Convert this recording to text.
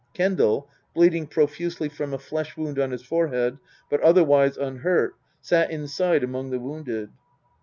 Kendal bleeding profusely from a flesh wound on his forehead, but otherwise unhurt sat inside among the wounded.